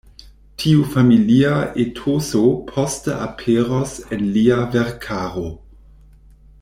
Tiu familia etoso poste aperos en lia verkaro.